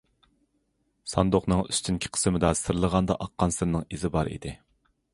ساندۇقنىڭ ئۈستۈنكى قىسمىدا سىرلىغاندا ئاققان سىرنىڭ ئىزى بار ئىدى.